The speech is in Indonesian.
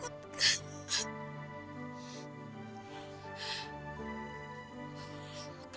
ayah takut kak